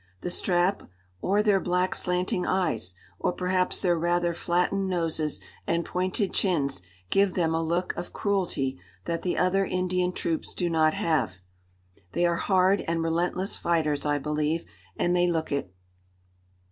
The strap or their black slanting eyes or perhaps their rather flattened noses and pointed chins give them a look of cruelty that the other Indian troops do not have. They are hard and relentless fighters, I believe; and they look it.